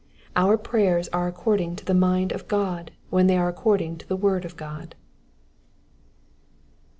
Our prayers are according to the mind of God when they are according to the word of God.